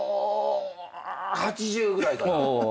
８０ぐらいかな。